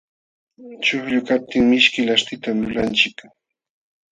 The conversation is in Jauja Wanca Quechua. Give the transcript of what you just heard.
Chuqllu kaptin mishki laśhtitan lulanchik.